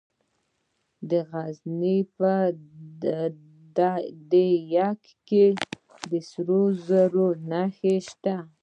د غزني په ده یک کې د سرو زرو نښې شته.